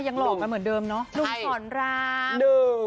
หนุ่มข่อนราว๑